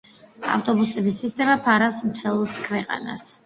ავტობუსების სისტემა ფარავს მთელს ქვეყანას.